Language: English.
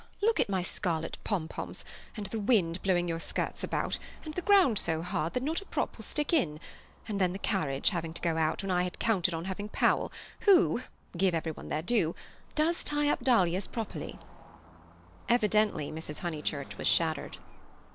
Look at my scarlet pompoms, and the wind blowing your skirts about, and the ground so hard that not a prop will stick in, and then the carriage having to go out, when I had counted on having Powell, who—give everyone their due—does tie up dahlias properly." Evidently Mrs. Honeychurch was shattered.